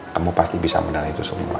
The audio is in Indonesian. kamu pasti bisa menilai itu semua